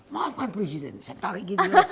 maafkan presiden saya tarik gitu